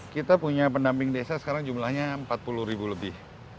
kita punya pendamping desa sekarang jumlahnya empat puluh ribu lebih